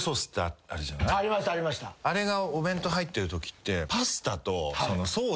あれがお弁当入ってるときって。